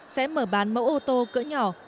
sẽ mở bán mẫu ô tô cỡ nhỏ